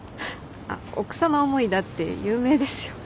奥さま思いだって有名ですよ。